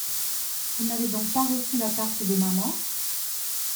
Vous n’avez donc pas reçu la carte de maman ?